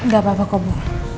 gak apa apa kok bu